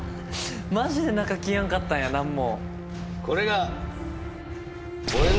マジで中着やんかったんや何も。